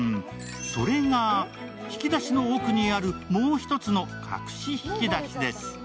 それが引き出しの奥にあるもう１つの隠し引き出しです。